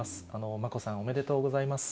眞子さん、おめでとうございます。